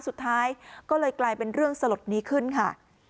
สุดท้ายก็เลยกลายเป็นเรื่องสลดนี้ขึ้นค่ะ